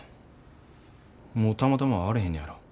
もうたまたま会われへんねやろ？